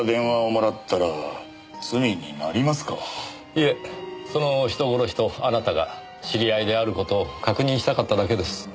いえその人殺しとあなたが知り合いである事を確認したかっただけです。